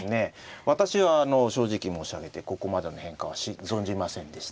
私はあの正直申し上げてここまでの変化は存じませんでした。